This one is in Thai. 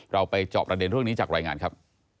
เราไปจอบประเด็นเรื่องนี้จากรายงานครับ